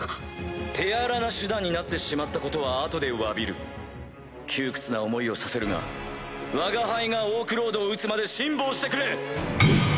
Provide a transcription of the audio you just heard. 手荒な手段になってしまったことは後で詫びる窮屈な思いをさせるがわが輩がオークロードを討つまで辛抱してくれ。